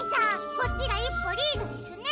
こっちがいっぽリードですね。